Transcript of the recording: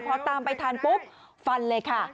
พอตามไปทันปุ๊บฟันเลยค่ะ